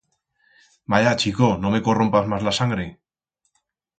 Vaya, chico, no me corrompas mas la sangre.